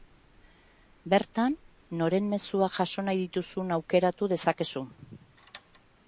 Bertan, noren mezuak jaso nahi dituzun aukeratu dezakezu.